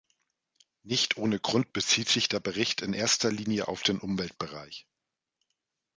Nicht ohne Grund bezieht sich der Bericht in erster Linie auf den Umweltbereich.